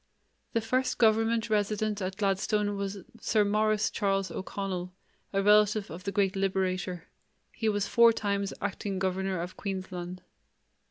The first government resident at Gladstone was Sir Maurice Charles O'Connell, a relative of the great Liberator; he was four times acting governor of Queensland.